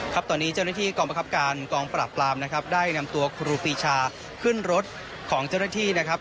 ครับตอนนี้เจ้าหน้าที่กองประคับการกองปราบปรามนะครับได้นำตัวครูปีชาขึ้นรถของเจ้าหน้าที่นะครับ